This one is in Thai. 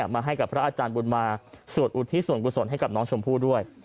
มาให้กับพระอาจารย์บุญมาสวดอุทิศส่วนกุศลให้กับน้องชมพู่ด้วย